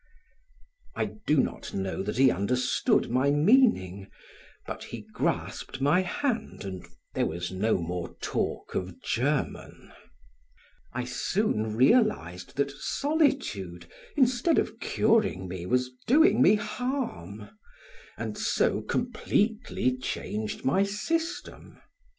I do not know that he understood my meaning, but he grasped my hand and there was no more talk of German. I soon realized that solitude instead of curing me was doing me harm, and so completely changed my system.